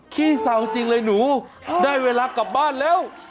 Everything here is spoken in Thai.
ขี้เศร้าจริงเลยหนูได้เวลากลับบ้านแล้ว